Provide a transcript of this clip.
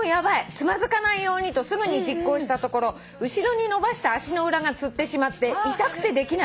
「つまずかないようにとすぐに実行したところ後ろに伸ばした足の裏がつってしまって痛くてできない」